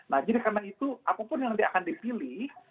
nah jadi karena itu apapun yang nanti akan dipilih